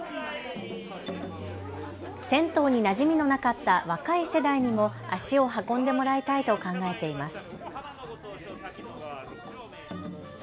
銭湯になじみのなかった若い世代にも足を運んでもらいたいと考えています。